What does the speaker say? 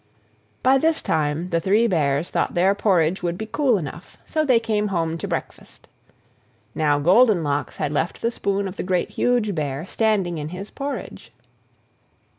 By this time the Three Bears thought their porridge would be cool enough; so they came home to breakfast. Now Goldenlocks had left the spoon of the Great, Huge Bear standing in his porridge.